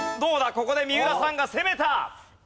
ここで三浦さんが攻めた！